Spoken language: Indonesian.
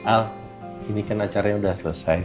al ini kan acaranya sudah selesai